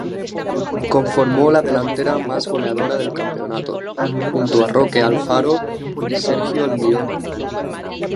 Conformó la delantera más goleadora del campeonato, junto a Roque Alfaro y Sergio Almirón.